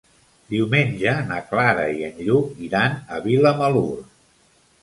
Diumenge na Clara i en Lluc iran a Vilamalur.